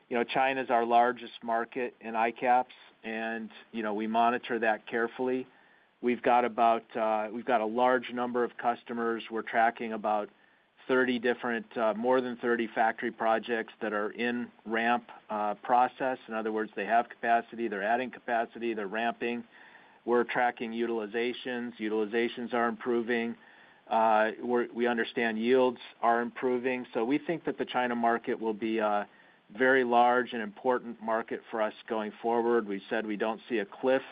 You know, China's our largest market in ICAPS, and, you know, we monitor that carefully. We've got a large number of customers. We're tracking about 30 different, more than 30 factory projects that are in ramp process. In other words, they have capacity, they're adding capacity, they're ramping. We're tracking utilizations. Utilizations are improving. We understand yields are improving. So we think that the China market will be a very large and important market for us going forward. We said we don't see a cliff,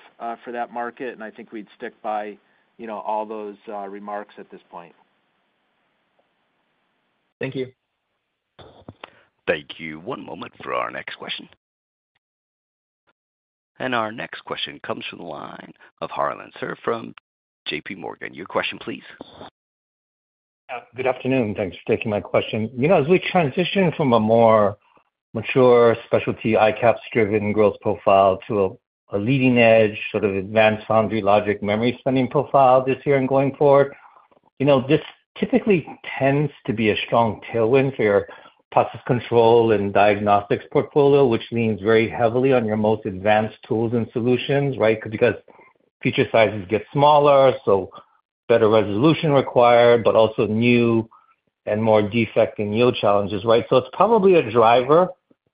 for that market, and I think we'd stick by, you know, all those, remarks at this point. Thank you. Thank you. One moment for our next question. Our next question comes from the line of Harlan Sur from JPMorgan. Your question, please. Good afternoon. Thanks for taking my question. You know, as we transition from a more mature specialty ICAPS-driven growth profile to a leading edge, sort of advanced foundry logic memory spending profile this year and going forward. You know, this typically tends to be a strong tailwind for your process control and diagnostics portfolio, which leans very heavily on your most advanced tools and solutions, right? Because feature sizes get smaller, so better resolution required, but also new and more defect and yield challenges, right? So it's probably a driver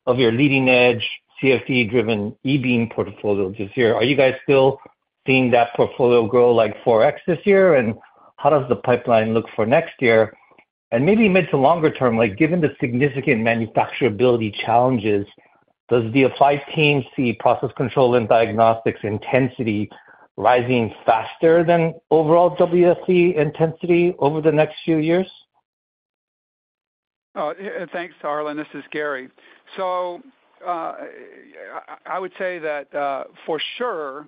of your leading-edge, CFE-driven eBeam portfolio this year. Are you guys still seeing that portfolio grow, like, 4x this year? And how does the pipeline look for next year? And maybe mid to longer term, like, given the significant manufacturability challenges, does the Applied team see process control and diagnostics intensity rising faster than overall WFE intensity over the next few years? Oh, and thanks, Harlan. This is Gary. So, I would say that, for sure,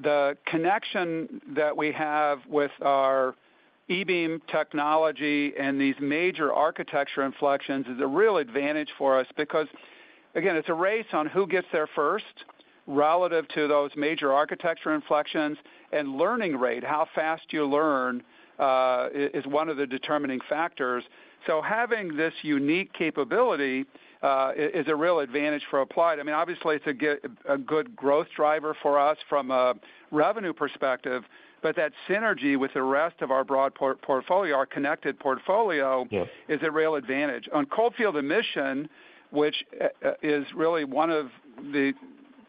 the connection that we have with our eBeam technology and these major architecture inflections is a real advantage for us, because, again, it's a race on who gets there first relative to those major architecture inflections. And learning rate, how fast you learn, is one of the determining factors. So having this unique capability is a real advantage for Applied. I mean, obviously, it's a good growth driver for us from a revenue perspective, but that synergy with the rest of our broad portfolio, our connected portfolio. Yes. Is a real advantage. On cold field emission, which is really one of the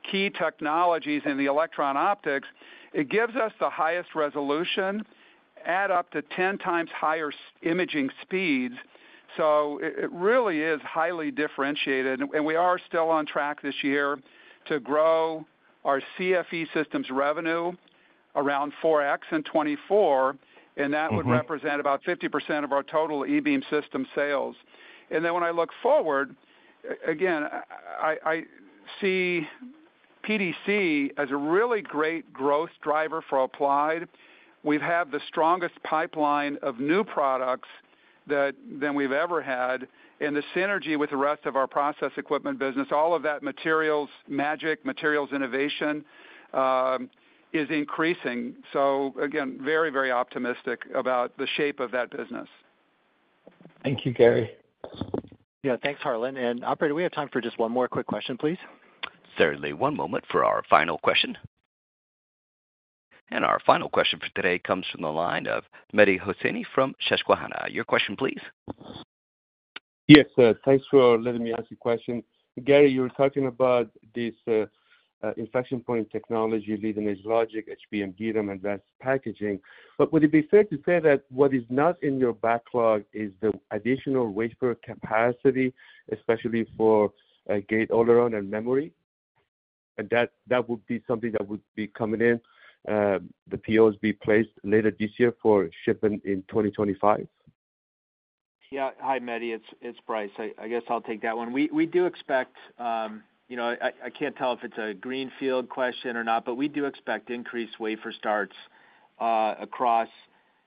key technologies in the electron optics, it gives us the highest resolution, at up to 10x higher imaging speeds, so it really is highly differentiated. And we are still on track this year to grow our CFE systems revenue around 4x in 2024, and that. Mm-hmm. Would represent about 50% of our total eBeam system sales. And then when I look forward, again, I see PDC as a really great growth driver for Applied. We've had the strongest pipeline of new products than we've ever had, and the synergy with the rest of our process equipment business, all of that materials magic, materials innovation, is increasing. So again, very, very optimistic about the shape of that business. Thank you, Gary. Yeah, thanks, Harlan. Operator, do we have time for just one more quick question, please? Certainly. One moment for our final question. Our final question for today comes from the line of Mehdi Hosseini from Susquehanna. Your question, please. Yes, thanks for letting me ask you a question. Gary, you were talking about this inflection point technology, leading-edge logic, HBM, DRAM, advanced packaging. But would it be fair to say that what is not in your backlog is the additional wafer capacity, especially for Gate-All-Around and memory, and that, that would be something that would be coming in, the POs be placed later this year for shipping in 2025? Yeah. Hi, Mehdi. It's Brice. I guess I'll take that one. We do expect. You know, I can't tell if it's a greenfield question or not, but we do expect increased wafer starts across,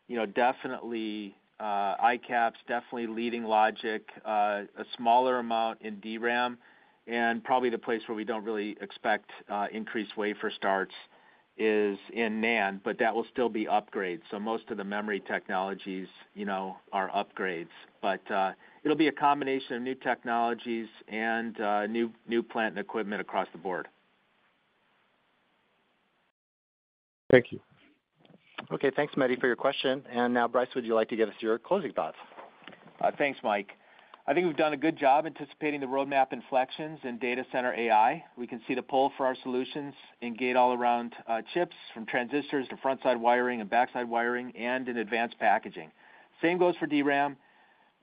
you know, definitely ICAPS, definitely leading logic, a smaller amount in DRAM, and probably the place where we don't really expect increased wafer starts is in NAND, but that will still be upgrades. So most of the memory technologies, you know, are upgrades. But it'll be a combination of new technologies and new plant and equipment across the board. Thank you. Okay, thanks, Mehdi, for your question. And now, Brice, would you like to give us your closing thoughts? Thanks, Mike. I think we've done a good job anticipating the roadmap inflections in data center AI. We can see the pull for our solutions in Gate-All-Around chips, from transistors to frontside wiring and backside wiring and in Advanced Packaging. Same goes for DRAM,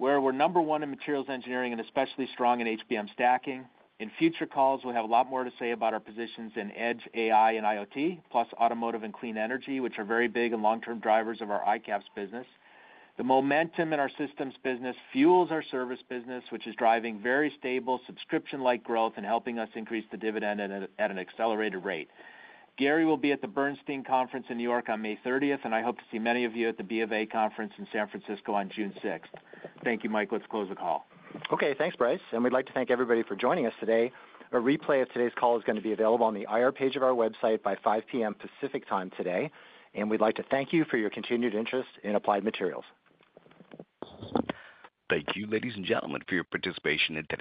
where we're number one in materials engineering and especially strong in HBM stacking. In future calls, we'll have a lot more to say about our positions in edge AI and IoT, plus automotive and clean energy, which are very big and long-term drivers of our ICAPS business. The momentum in our systems business fuels our service business, which is driving very stable subscription-like growth and helping us increase the dividend at an accelerated rate. Gary will be at the Bernstein conference in New York on May 30th, and I hope to see many of you at the BofA conference in San Francisco on June 6th. Thank you, Mike. Let's close the call. Okay, thanks, Brice, and we'd like to thank everybody for joining us today. A replay of today's call is going to be available on the IR page of our website by 5:00 P.M. Pacific Time today. We'd like to thank you for your continued interest in Applied Materials. Thank you, ladies and gentlemen, for your participation in today.